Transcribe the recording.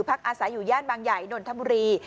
พักอาศัยอยู่ย่านบางใหญ่นนทบุรี